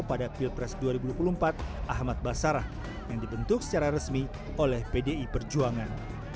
pada pilpres dua ribu dua puluh empat ahmad basarah yang dibentuk secara resmi oleh pdi perjuangan